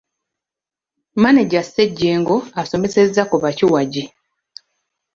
Maneja Ssejjengo asomesezza ku bakiwagi.